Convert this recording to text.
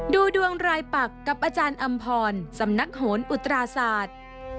ดูดวงรายปรักษ์กับออำพอร์นสำนักโหนอุตราศาสตร์